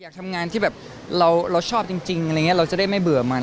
อยากทำงานที่เราชอบจริงเราจะได้ไม่เบื่อมัน